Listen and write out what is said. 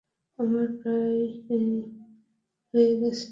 আমার প্রায় হয়ে গেছে।